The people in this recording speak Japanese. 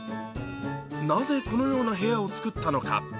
なぜこのような部屋をつくったのか。